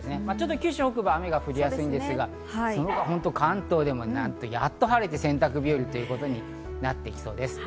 九州北部は雨が降りやすいですが、その他、関東でもなんと、やっと晴れて洗濯日和ということになってきそうです。